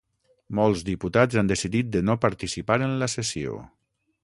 Molts diputats han decidit de no participar en la sessió.